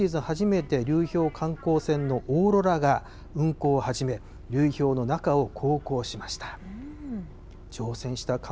初めて、流氷観光船のおーろらが運航を始め、流氷の中を航行しました。